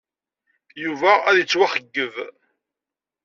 Yuba ad yettwaxeyyeb.